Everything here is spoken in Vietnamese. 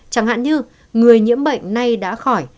chẳng hạn như người nhiễm bệnh nay đã khỏi